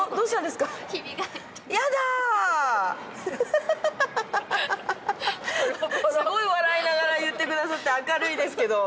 すごい笑いながら言ってくださって明るいですけど。